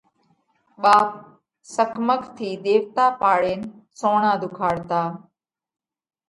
ٻاپ سڪماق ٿِي ۮيوَتا پاڙينَ سوڻا ڌُوکاڙتا۔